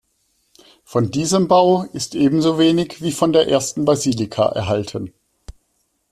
Von diesem Bau ist ebenso wenig wie von der ersten Basilika erhalten.